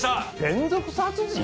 連続殺人？